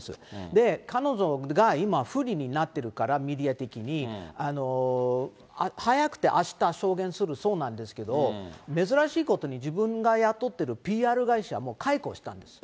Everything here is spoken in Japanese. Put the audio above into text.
で、彼女が今、不利になっているから、メディア的に。早くてあした、証言するそうなんですけれども、珍しいことに、自分が雇ってるＰＲ会社、もう解雇したんです。